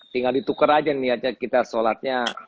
tinggal ditukar aja niatnya kita sholatnya